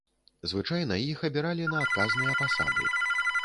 Звычайна іх абіралі на адказныя пасады.